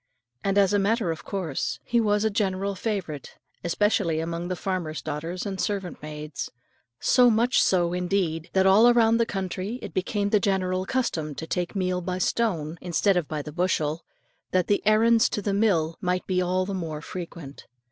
And, as a matter of course, he was a general favourite, especially among the farmer's daughters and servant maids; so much so indeed, that all round the country it became the general custom to take meal by the stone, instead of by the bushel, that the "errands to the mill" might be all the more frequent.